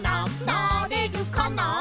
なれるかな？」